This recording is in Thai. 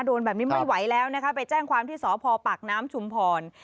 โดนแบบนี้ไม่ไหวแล้วนะคะไปแจ้งความที่สพปากน้ำชุมพร